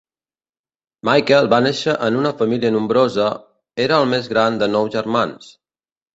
Michael va néixer en una família nombrosa, era el més gran de nou germans.